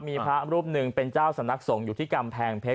มีพระรูปหนึ่งเป็นเจ้าสำนักสงฆ์อยู่ที่กำแพงเพชร